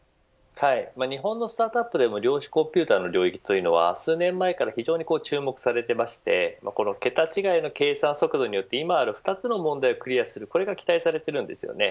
日本のスタートアップでも量子コンピューターの領域というのは数年前から非常に注目されていまして桁違いの計算速度によって今ある２つの問題をクリアすることが期待されています。